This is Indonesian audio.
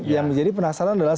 yang menjadi penasaran adalah